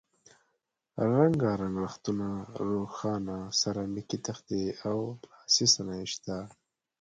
رنګ رنګ رختونه، روښانه سرامیکي تختې او لاسي صنایع شته.